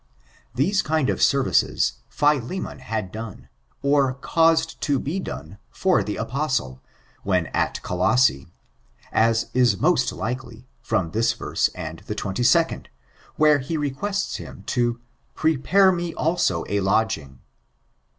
These kind of services, Philemon had done, or caused to be done, fi)r the apostle, when at Colosse, as is most likely, from this verse and the 22nd, where he requests him to *' prepare me also a lodging."